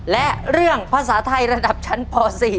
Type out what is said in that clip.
และเรื่องภาษาไทยระดับชั้นป๔